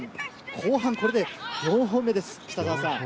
後半、これで４本目です。